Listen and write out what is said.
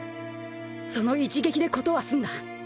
その一撃で事は済んだ。